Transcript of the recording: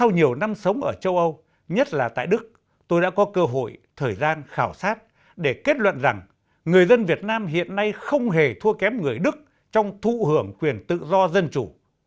nhiều năm sống ở châu âu nhất là tại đức tôi đã có cơ hội thời gian khảo sát để kết luận rằng người dân việt nam hiện nay không hề thua kém người đức trong thụ hưởng quyền tự do dân chủ